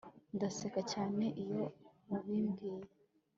Ndaseka cyane iyo babimbwiye